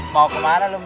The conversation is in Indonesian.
mau kemana lu bo